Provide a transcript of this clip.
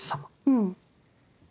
うん。